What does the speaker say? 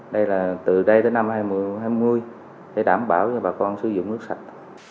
đây là từ đây đến năm hai nghìn hai mươi để đảm bảo cho bà con sử dụng nước sạch